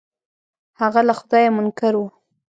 هغه له خدايه منکر و.